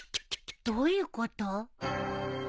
どういうこと？